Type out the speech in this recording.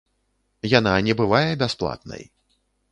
Яна не бывае бясплатнай.